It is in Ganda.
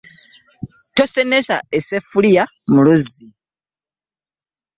Tosenesa esseffuliya mu luzzi.